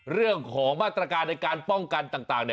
เรื่องของมาตรการในการป้องกันต่าง